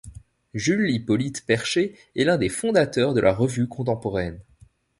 Jules-Hippolyte Percher est l'un des fondateurs de La Revue contemporaine.